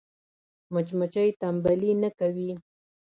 مچمچۍ تنبلي نه کوي